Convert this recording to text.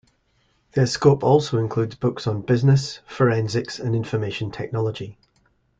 Their scope also includes books on business, forensics and information technology.